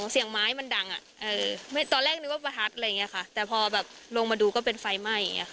เสียงไม้มันดังตอนแรกนึกว่าประทัดแต่พอลงมาดูก็เป็นไฟไหม้